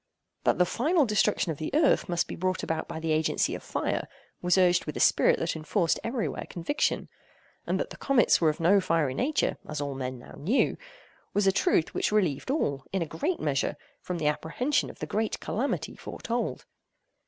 That the final destruction of the earth must be brought about by the agency of fire, was urged with a spirit that enforced every where conviction; and that the comets were of no fiery nature (as all men now knew) was a truth which relieved all, in a great measure, from the apprehension of the great calamity foretold.